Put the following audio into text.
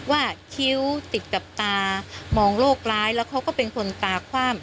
ว่าเป็นคนที่คิ้วติดกับตามองโลกร้ายและเป็นคนตาคว่าม